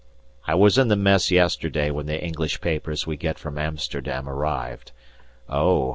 I was in the Mess yesterday when the English papers we get from Amsterdam arrived. Oh!